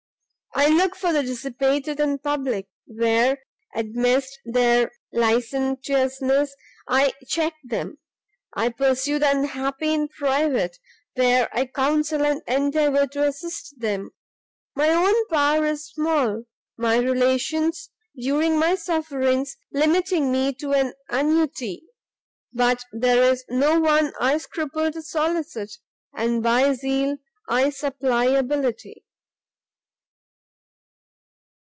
I look for the Dissipated in public, where, amidst their licentiousness, I check them; I pursue the Unhappy in private, where I counsel and endeavour to assist them. My own power is small; my relations, during my sufferings, limiting me to an annuity; but there is no one I scruple to solicit, and by zeal I supply ability.